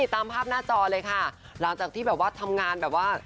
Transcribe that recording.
ตามภาพหน้าจอเลยค่ะหลังจากที่แบบว่าทำงานแบบว่า